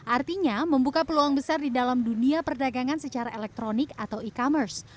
artinya membuka peluang besar di dalam dunia perdagangan secara elektronik atau e commerce